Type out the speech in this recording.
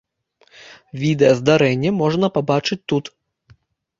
Відэа здарэння можна пабачыць тут.